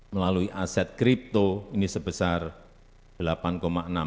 bahkan data crypto crime report menemukan ada indikasi pencucian uang